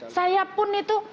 saya pun itu